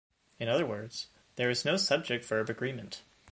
In other words, there is no subject-verb agreement.